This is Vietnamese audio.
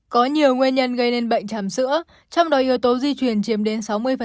có nhiều nguyên nhân gây nên bệnh chàm sữa trong đó yếu tố di truyền chiếm đến sáu mươi